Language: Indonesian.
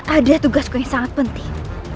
ada tugasku yang sangat penting